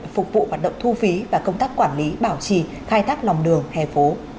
phục vụ hoạt động thu phí và công tác quản lý bảo trì khai thác lòng đường hè phố